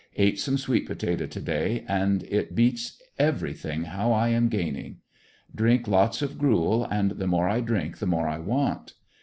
Ate some sweet potato to day, and it beats everything how I am gaining. Drink lots of gruel, and the more I drink the more I want.